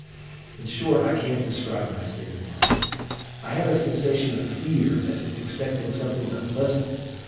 In short, I can't describe my state of mind. I had a sensation of fear, as if expecting something unpleasant.